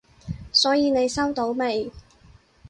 所以你收到未？